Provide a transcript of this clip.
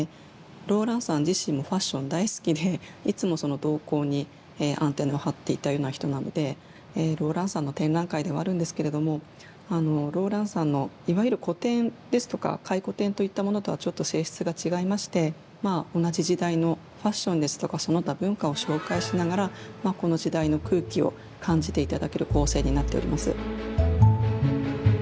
ローランサン自身もファッション大好きでいつもその動向にアンテナを張っていたような人なのでローランサンの展覧会ではあるんですけれどもローランサンのいわゆる個展ですとか回顧展といったものとはちょっと性質が違いまして同じ時代のファッションですとかその他文化を紹介しながらこの時代の空気を感じて頂ける構成になっております。